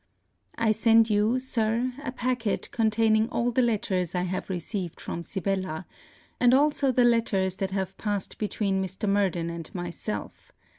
I send you, Sir, a pacquet containing all the letters I have received from Sibella, and also the letters that have passed between Mr. Murden and myself.